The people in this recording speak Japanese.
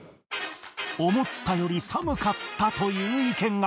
思ったより寒かったという意見が